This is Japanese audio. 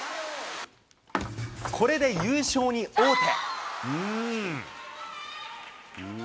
これで優勝に王手。